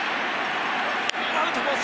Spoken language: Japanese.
アウトコース！